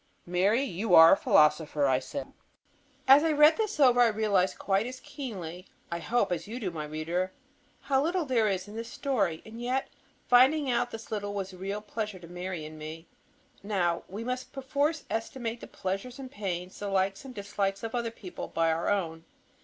"Mary, you are a philosopher," I say. As I read this over I realize quite as keenly, I hope, as you do, my reader, how little there is in this story. And yet finding out this little was real pleasure to Mary and me. Now we must perforce estimate the pleasures and pains, the likes and dislikes, of other people by our own.